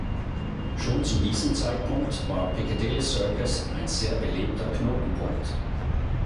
Schon zu diesem Zeitpunkt war Piccadilly Circus ein sehr belebter Knotenpunkt.